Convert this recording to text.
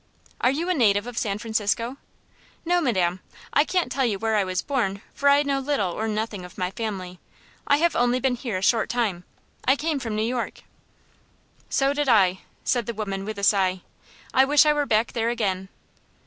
"Are you a native of San Francisco?" "No, madam. I can't tell you where I was born, for I know little or nothing of my family. I have only been here a short time. I came from New York." "So did I," said the woman, with a sigh. "I wish I were back there again."